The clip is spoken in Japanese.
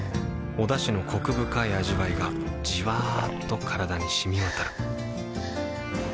おだしのコク深い味わいがじわっと体に染み渡るはぁ。